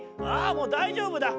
もうだいじょうぶだ」。